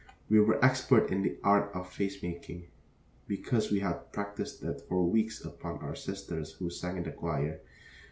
We were expert in the art of face making, because we had practiced it for weeks upon our sisters who sang in the choir.